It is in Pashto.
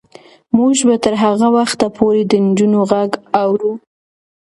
موږ به تر هغه وخته پورې د نجونو غږ اورو.